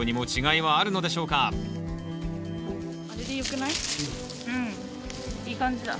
いい感じだ。